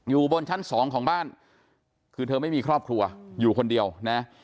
อยู่บนชั้นสองของบ้านคือเธอไม่มีครอบครัวอยู่คนเดียวนะ